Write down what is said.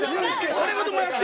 俺ごと燃やして。